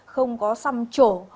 không có xăm trổ